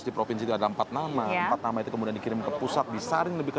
kepada pembawa bendera